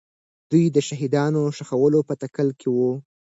دوی د شهیدانو ښخولو په تکل کې وو.